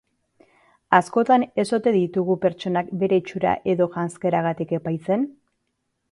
Askotan ez ote ditugu pertsonak bere itxura edo janzkerarengatik epaitzen?